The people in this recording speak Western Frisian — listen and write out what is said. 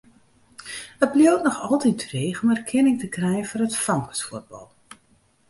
It bliuwt noch altyd dreech om erkenning te krijen foar it famkesfuotbal.